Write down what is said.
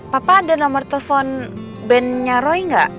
papa ada nomor telepon bandnya roy gak